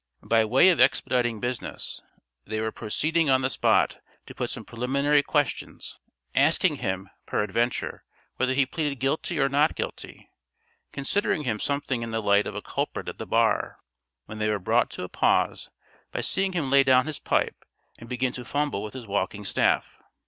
By way of expediting business, they were proceeding on the spot to put some preliminary questions; asking him, peradventure, whether he pleaded guilty or not guilty; considering him something in the light of a culprit at the bar; when they were brought to a pause by seeing him lay down his pipe and begin to fumble with his walking staff.